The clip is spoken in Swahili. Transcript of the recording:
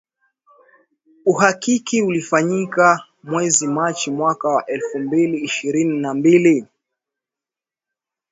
Uhakiki ulifanyika mwezi Machi mwaka wa elfu mbili ishirini na mbili.